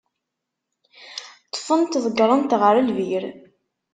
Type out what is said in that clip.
Ṭṭfen-t, ḍeggren-t ɣer lbir.